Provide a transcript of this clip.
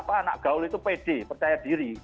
anak gaul itu pede percaya diri